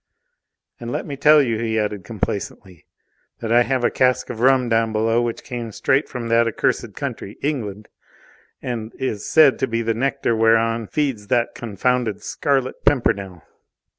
"And let me tell you," he added complacently, "that I have a cask of rum down below, which came straight from that accursed country, England, and is said to be the nectar whereon feeds that confounded Scarlet Pimpernel.